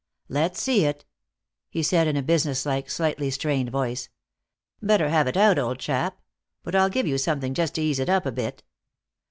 "Let's see it," he said in a businesslike, slightly strained voice. "Better have it out, old chap. But I'll give you something just to ease it up a bit."